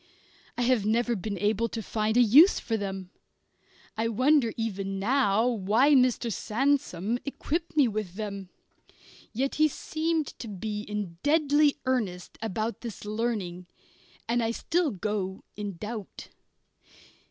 I have never been able to find a use for them. I wonder even now why Mr. Sandsome equipped me with them. Yet he seemed to be in deadly earnest about this learning, and I still go in doubt.